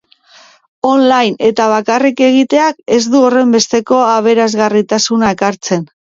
Online eta bakarrik egiteak ez du horrenbesteko aberasgarritasuna ekartzen.